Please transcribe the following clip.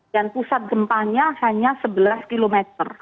dan pusat gempanya hanya sebelas km